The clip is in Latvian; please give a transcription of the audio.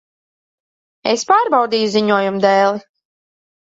Es pārbaudīju ziņojumu dēli.